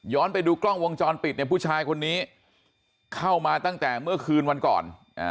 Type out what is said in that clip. ไปดูกล้องวงจรปิดเนี่ยผู้ชายคนนี้เข้ามาตั้งแต่เมื่อคืนวันก่อน